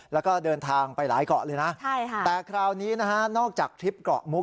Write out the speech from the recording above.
แล้วก็เดินทางไปหลายเกาะเลยนะใช่ค่ะแต่คราวนี้นะฮะนอกจากทริปเกาะมุก